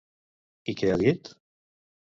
I què ha dit?